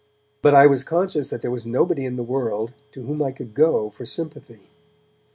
But I was conscious that there was nobody in the world to whom I could go for sympathy.